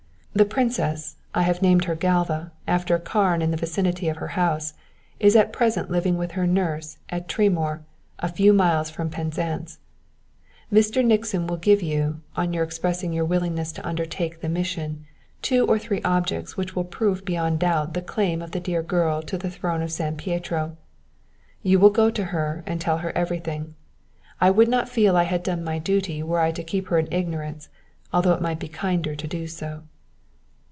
_ "_The Princess, I have named her Galva, after a carn in the vicinity of her house, is at present living with her nurse at Tremoor, a few miles from Penzance._ "_Mr. Nixon will give you, on your expressing your willingness to undertake the mission, two or three objects which will prove beyond doubt the claim of the dear girl to the throne of San Pietro. You will go to her and tell her everything; I would not feel I had done my duty were I to keep her in ignorance, although it might be kinder to do so.